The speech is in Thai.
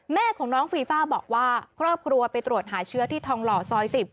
แม่ของน้องฟีฟ่าบอกว่าครอบครัวไปตรวจหาเชื้อที่ทองหล่อซอย๑๐